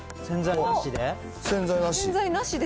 洗剤なしで？